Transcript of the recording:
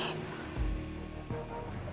gue harus pulang sambil cari solusi buat masalah ini